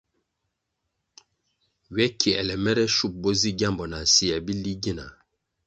Ywe kiēle mere shup bo zi gyambo na syē bili gina?